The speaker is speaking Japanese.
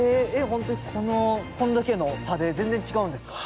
本当にこのこんだけの差で全然違うんですか？